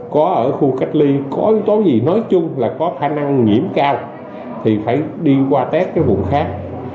có ở khu cách ly có tối gì nói chung là có khả năng nhiễm cao thì phải đi qua test cái vùng khác